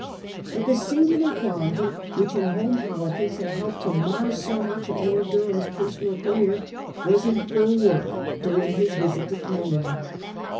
But the singular quality which in home politics had helped to mar so much of Lord Durham's personal career was in full work during his visit to Canada.